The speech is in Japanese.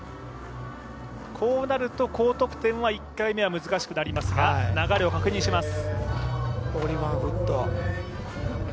こうなると高得点は１回目は難しくなりますが、流れを確認します。